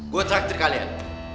gua traktir kalian